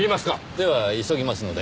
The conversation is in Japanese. では急ぎますので。